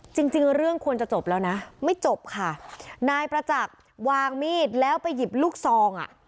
จริงจริงเรื่องควรจะจบแล้วนะไม่จบค่ะนายประจักษ์วางมีดแล้วไปหยิบลูกซองอ่ะ